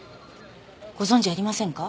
ご存じありませんか？